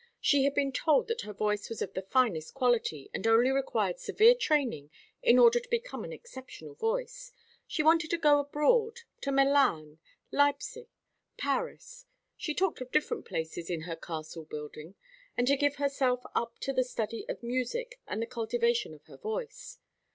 She had been told that her voice was of the finest quality, and only required severe training in order to become an exceptional voice. She wanted to go abroad to Milan, Leipsic, Paris she talked of different places in her castle building and to give herself up to the study of music and the cultivation of her voice.